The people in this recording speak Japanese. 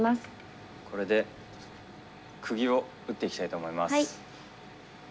これでくぎを打っていきたいと思います。